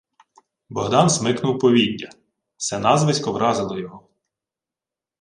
Богдан смикнув повіддя. Се назвисько вразило його.